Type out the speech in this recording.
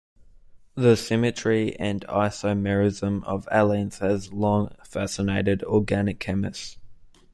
The symmetry and isomerism of allenes has long fascinated organic chemists.